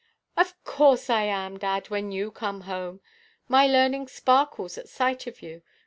"Of course I am, dad, when you come home. My learning sparkles at sight of you.